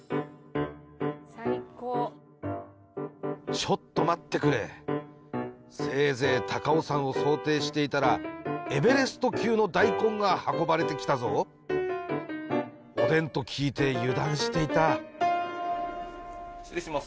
ちょっと待ってくれせいぜい高尾山を想定していたらエベレスト級の大根が運ばれてきたぞおでんと聞いて油断していた失礼します